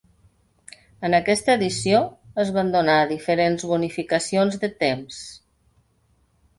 En aquesta edició es van donar diferents bonificacions de temps.